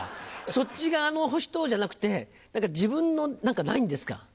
そっち側の人じゃなくて何か自分の何かないんですか？